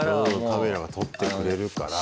カメラが撮ってくれるから。